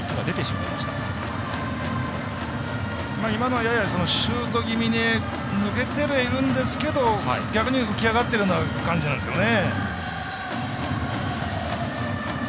今のはややシュート気味に抜けてはいるんですが逆に浮き上がっているような感じなんですよね。